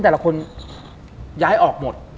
แต่ละคนย้ายออกหมด